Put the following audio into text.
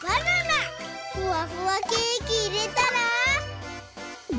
ふわふわケーキいれたら。